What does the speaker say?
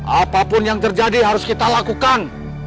apapun yang terjadi harus kita lakukan